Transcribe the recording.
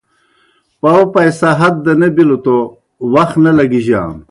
پاؤ پائسہ ہت دہ نہ بِلوْ توْ وخ نہ لگِجانوْ۔